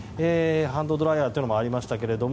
ハンドドライヤーというのもありましたけど